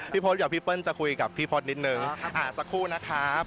พี่โภตเดี๋ยวพี่เปิ้ลจะคุยกับพี่พบนิดหนึ่งสักคู่นะครับหาเลย